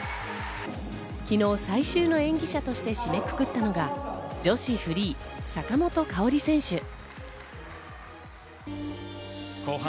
昨日、最終の演技者として締めくくったのが女子フリー、坂本花織選手。